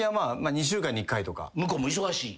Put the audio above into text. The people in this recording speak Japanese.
向こうも忙しい？